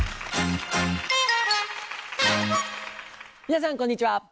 皆さんこんにちは。